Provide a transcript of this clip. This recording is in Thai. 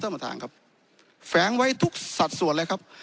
ประธานครับแฝงไว้ทุกสัดส่วนเลยครับ